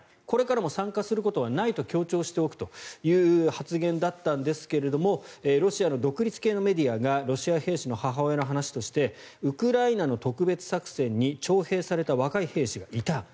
これからも参加することはないと強調しておくという発言だったんですがロシアの独立系のメディアがロシア兵士の母親の話としてウクライナの特別作戦に徴兵された若い兵士がいた。